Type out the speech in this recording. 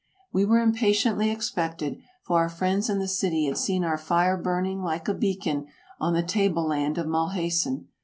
We were impatiently expected, for our friends in the city had seen our fire burning like a beacon on the table land of Mulhacen.